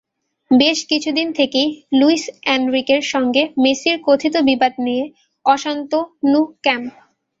বেশ কিছুদিন থেকেই লুইস এনরিকের সঙ্গে মেসির কথিত বিবাদ নিয়ে অশান্ত ন্যু ক্যাম্প।